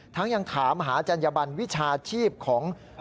ทั้งยังถามหาอาจารย์ยาบรรณวิชาชีพของ